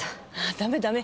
ダメダメ。